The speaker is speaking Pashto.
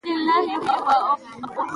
اوړي د افغانستان د سیاسي جغرافیه برخه ده.